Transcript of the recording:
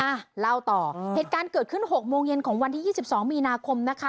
อ่ะเล่าต่อเหตุการณ์เกิดขึ้น๖โมงเย็นของวันที่๒๒มีนาคมนะคะ